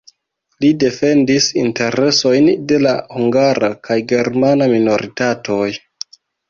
Li defendis interesojn de la hungara kaj germana minoritatoj.